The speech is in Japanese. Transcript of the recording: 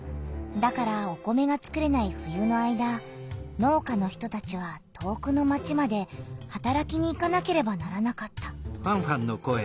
だからお米がつくれない冬の間農家の人たちは遠くの町まではたらきに行かなければならなかった。